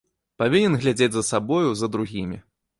Павінен глядзець за сабою, за другімі.